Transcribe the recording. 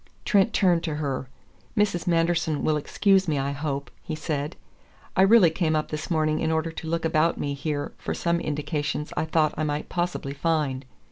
Trent turned to her. "Mrs. Manderson will excuse me, I hope," he said. "I really came up this morning in order to look about me here for some indications I thought I might possibly find.